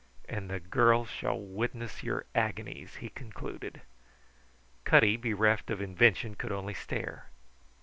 "And the girl shall witness your agonies," he concluded. Cutty, bereft of invention, could only stare.